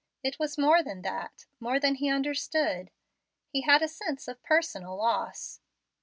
It was more than that, more than he understood. He had a sense of personal loss.